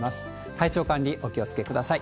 体調管理、お気をつけください。